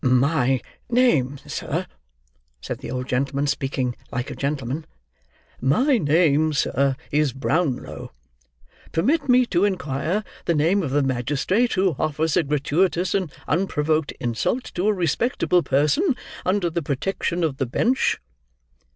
"My name, sir," said the old gentleman, speaking like a gentleman, "my name, sir, is Brownlow. Permit me to inquire the name of the magistrate who offers a gratuitous and unprovoked insult to a respectable person, under the protection of the bench."